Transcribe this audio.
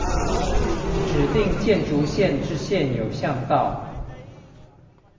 指定建築線之現有巷道